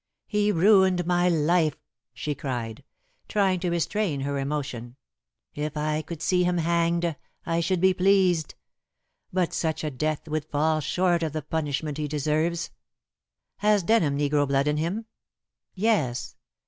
"He ruined my life," she cried, trying to restrain her emotion. "If I could see him hanged, I should be pleased. But such a death would fall far short of the punishment he deserves." "Has Denham negro blood in him?" "Yes.